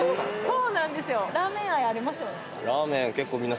そうなんですよ。